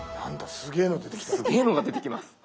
すげえのが出てきます。